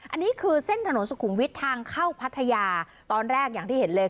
อันนี้คือเส้นถนนสุขุมวิทย์ทางเข้าพัทยาตอนแรกอย่างที่เห็นเลย